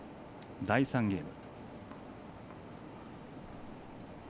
第３ゲーム。